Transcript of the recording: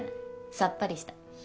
さっぱりした。